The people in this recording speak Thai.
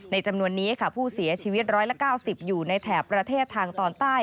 จำนวนนี้ค่ะผู้เสียชีวิต๑๙๐อยู่ในแถบประเทศทางตอนใต้